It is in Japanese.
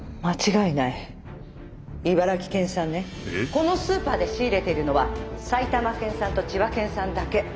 このスーパーで仕入れているのは埼玉県産と千葉県産だけ。